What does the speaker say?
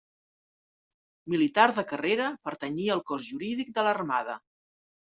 Militar de carrera, pertanyia al Cos Jurídic de l'Armada.